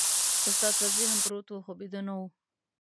استاد فضلي هم پروت و خو بيده نه و.